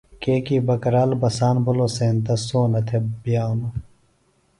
کیکی بکرال بساند بِھلوۡ سینتہ سونہ تھےۡ بئانوۡ